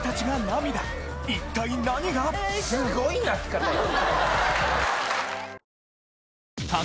すごい泣き方よ。